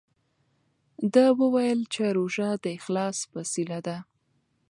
ده وویل چې روژه د اخلاص وسیله ده.